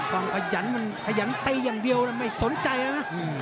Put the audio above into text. ความขยันมันขยันเต้อย่างเดียวไม่สนใจแล้วนะ